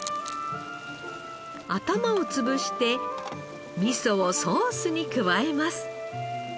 頭を潰して味噌をソースに加えます。